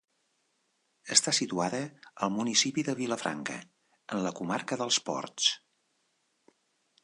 Està situada al municipi de Vilafranca, en la comarca dels Ports.